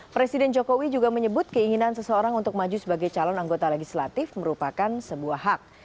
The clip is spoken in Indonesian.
presiden jokowi juga menyebut keinginan seseorang untuk maju sebagai calon anggota legislatif merupakan sebuah hak